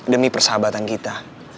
demi persahabatan kita